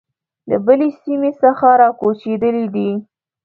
له بلې سیمې څخه را کوچېدلي دي.